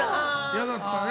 嫌だったね。